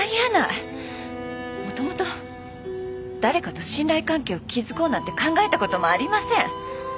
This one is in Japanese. もともと誰かと信頼関係を築こうなんて考えたこともありません。